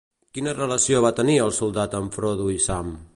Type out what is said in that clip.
Quina relació va tenir el soldat amb Frodo i Sam?